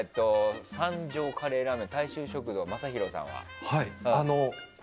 三条カレーラーメン大衆食堂正広さん。